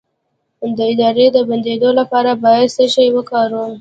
د ادرار د بندیدو لپاره باید څه شی وکاروم؟